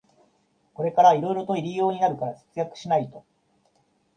これからいろいろと入用になるから節約しないと